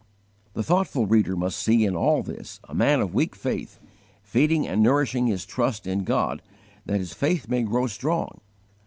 The thoughtful reader must see in all this a man of weak faith, feeding and nourishing his trust in God that his faith may grow strong.